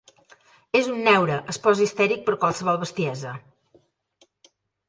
És un neura, es posa histèric per qualsevol bestiesa!